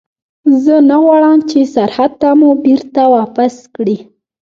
زه نه غواړم چې سرحد ته مو بېرته واپس کړي.